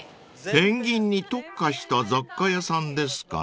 ［ペンギンに特化した雑貨屋さんですかね］